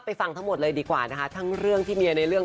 ไปฟังทั้งหมดค่ะทั้งเรื่องที่เมียในเรื่อง